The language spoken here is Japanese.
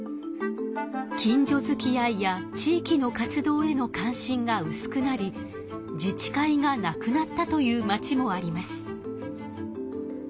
近所づきあいや地域の活動への関心がうすくなり自治会がなくなったというまちもあります。